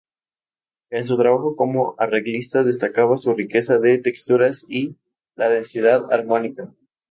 En su trabajo como arreglista, destacaba su riqueza de texturas y la densidad armónica.